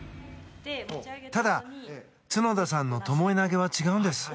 ただ、角田さんのともえ投げは違うんです。